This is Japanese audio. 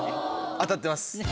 当たってます。